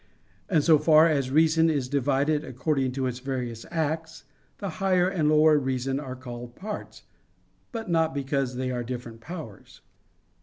And so far as reason is divided according to its various acts, the higher and lower reason are called parts; but not because they are different powers.